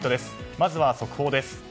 まずは速報です。